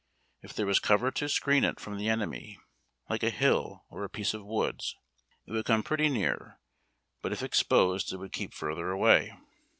If there was cover to screen it from the enemy, like a hill or a piece of woods, it would come pretty near, but if exposed it would keep farther away.